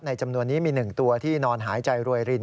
จำนวนนี้มี๑ตัวที่นอนหายใจรวยริน